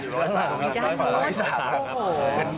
กะวินอยู่รอยศาลกะวิน